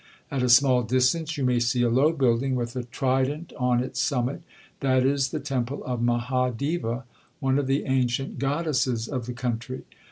1 At a small distance you may see a low building with a trident on its summit—that is the temple of Maha deva, one of the ancient goddesses of the country.'